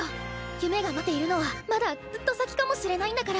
夢が待っているのはまだずっと先かもしれないんだから。